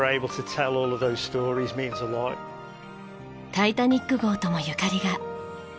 タイタニック号ともゆかりが。